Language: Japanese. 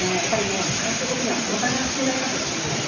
最終的にはお互いの信頼関係だと思います。